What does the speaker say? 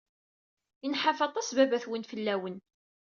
Inḥaf aṭas baba-twen fell-awen.